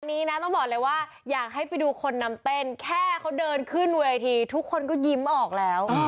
นี้นะต้องบอกเลยว่าอยากให้ไปดูคนนำเต้นแค่เขาเดินขึ้นเวทีทุกคนก็ยิ้มออกแล้ว